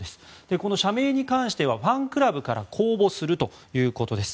この社名に関してはファンクラブから公募するということです。